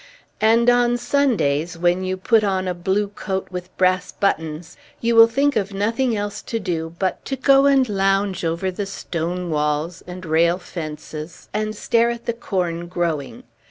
And on Sundays, when you put on a blue coat with brass buttons, you will think of nothing else to do but to go and lounge over the stone walls and rail fences, and stare at the corn growing.